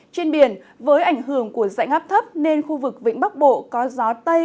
trên biển với ảnh hưởng của dạnh áp thấp nên khu vực vĩnh bắc bộ có gió tây